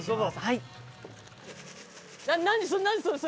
はい。